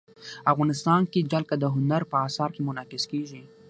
افغانستان کې جلګه د هنر په اثار کې منعکس کېږي.